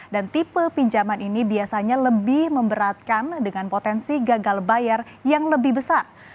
dan tipe pinjaman ini biasanya lebih memberatkan dengan potensi gagal bayar yang lebih besar